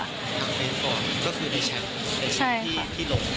ทักเฟสบอกคือพี่แชลที่หลง